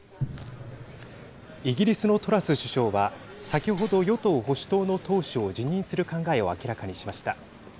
イギリスのトラス首相は先ほど与党・保守党の党首を辞任する考えを明らかにしました。